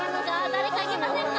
誰かいけませんか？